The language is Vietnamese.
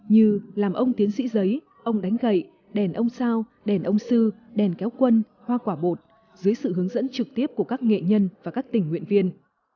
như làm ông tiến sĩ giấy ông đánh gậy đèn ông sao đèn ông sư đèn kéo quân hoa quả bột dưới sự hướng dẫn trực tiếp của các nghệ nhân và các tình nguyện viên